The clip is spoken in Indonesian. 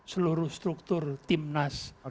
seluruh struktur timnas